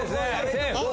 セーフ。